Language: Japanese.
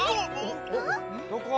どこ？